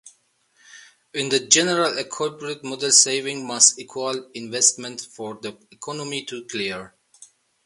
In the general equilibrium model savings must equal investment for the economy to clear.